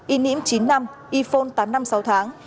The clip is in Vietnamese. y niêm chín năm y phon tám năm sáu tháng